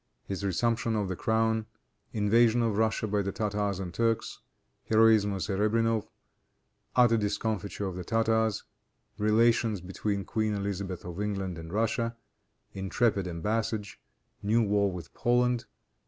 His Resumption of the Crown. Invasion of Russia by the Tartars and Turks. Heroism of Zerebrinow. Utter Discomfiture of the Tartars. Relations Between Queen Elizabeth of England, and Russia. Intrepid Embassage. New War with Poland.